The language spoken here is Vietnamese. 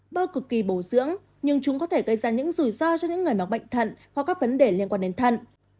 bơ cực kỳ bổ dưỡng nhưng chúng có thể gây ra những rủi ro cho những người mắc bệnh thận hoặc các vấn đề liên quan đến thận